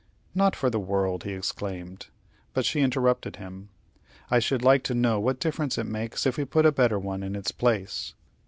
"Not for the world," he exclaimed; but she interrupted him: "I should like to know what difference it makes if we put a better one in its place."